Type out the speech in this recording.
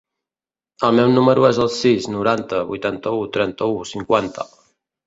El meu número es el sis, noranta, vuitanta-u, trenta-u, cinquanta.